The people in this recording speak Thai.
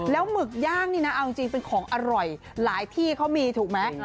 หมึกย่างนี่นะเอาจริงเป็นของอร่อยหลายที่เขามีถูกไหม